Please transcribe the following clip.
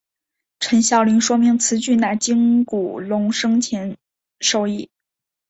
陈晓林说明此举乃经古龙生前授意。